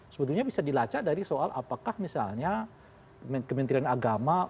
sebetulnya bisa dilacak dari soal apakah misalnya kementerian agama